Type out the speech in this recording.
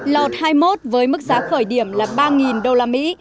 lọt hai mươi một với mức giá khởi điểm là ba đô la mỹ